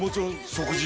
食事！